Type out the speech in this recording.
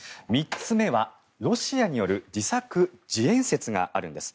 ３つ目は、ロシアによる自作自演説があるんです。